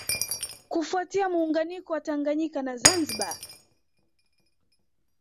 Kufuatia muunganiko wa Tanganyika na Zanzibar